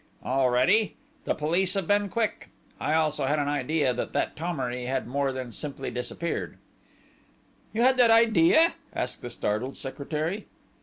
"Already! The police have been quick!... I also had an idea that that Thomery had more than simply disappeared!" "You had that idea?" asked the startled secretary.